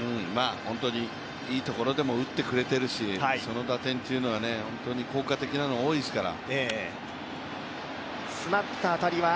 本当にいいところでも打ってくれてるしその打点は本当に効果的なのが多いですから。